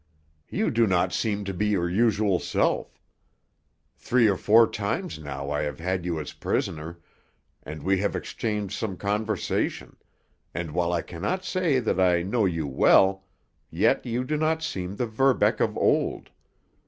"You do not seem to be your usual self. Three or four times now I have had you as prisoner, and we have exchanged some conversation, and while I cannot say that I know you well, yet you do not seem the Verbeck of old.